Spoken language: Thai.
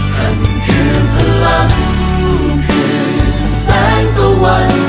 ท่านคือพลังขึ้นแสงตะวัน